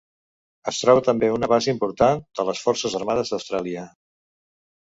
Es troba també una base important de les forces armades d'Austràlia.